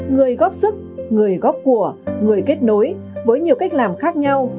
người góp sức người góp của người kết nối với nhiều cách làm khác nhau